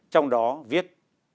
trong đó viết